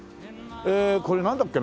ええこれなんだっけな